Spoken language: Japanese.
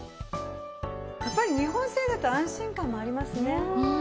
やっぱり日本製だと安心感もありますね。